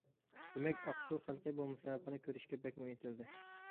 دېمەك، ئاقسۇ خەلقى بۇ مۇسابىقىنى كۆرۈشكە بەكمۇ ئىنتىلدى.